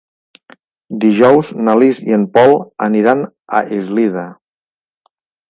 Dijous na Lis i en Pol aniran a Eslida.